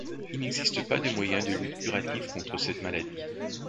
Il n'existe pas de moyens de lutte curatifs contre cette maladie.